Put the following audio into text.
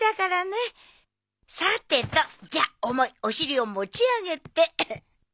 さてとじゃあ重いお尻を持ち上げて。